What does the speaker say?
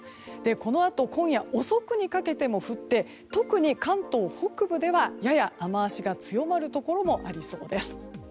このあと今夜遅くにかけても降って特に関東北部ではやや雨脚が強まるところもありそうです。